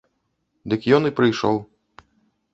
Дык ён і прыйшоў.